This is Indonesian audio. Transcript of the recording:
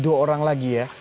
dua orang lagi ya